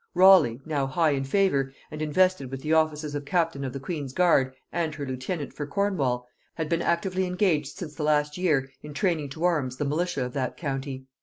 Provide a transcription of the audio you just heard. Raleigh, now high in favor, and invested with the offices of captain of the queen's guard and her lieutenant for Cornwall, had been actively engaged since the last year in training to arms the militia of that county.